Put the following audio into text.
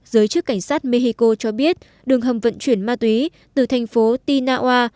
giới chức cảnh sát mexico cho biết đường hầm vận chuyển ma túy từ thành phố tinawa